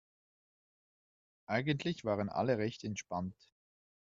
Eigentlich waren alle recht entspannt.